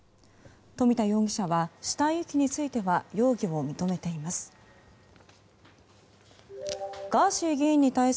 富田容疑者は死体遺棄については容疑を認めています。